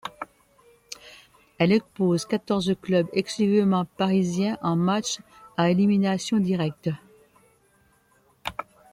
Elle oppose quatorze clubs exclusivement parisiens en matchs à élimination directe.